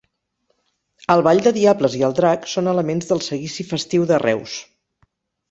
El Ball de Diables i el Drac són elements del Seguici Festiu de Reus.